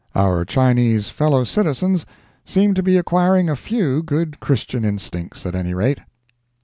Our Chinese fellow citizens seem to be acquiring a few good Christian instincts, at any rate.